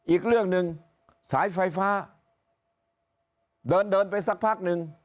อีกเรื่องหนึ่งสายไฟฟ้าเดินเดินไปสักพักหนึ่ง